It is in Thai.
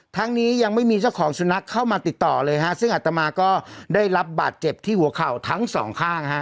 ทั้งนี้ยังไม่มีเจ้าของสุนัขเข้ามาติดต่อเลยฮะซึ่งอัตมาก็ได้รับบาดเจ็บที่หัวเข่าทั้งสองข้างฮะ